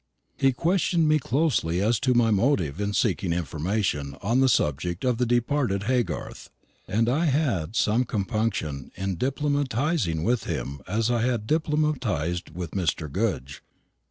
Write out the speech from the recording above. He questioned me closely as to my motive in seeking information on the subject of the departed Haygarth, and I had some compunction in diplomatising with him as I had diplomatised with Mr. Goodge.